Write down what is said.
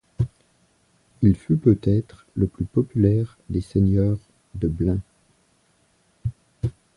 Il fut peut-être le plus populaire des seigneurs de Blain.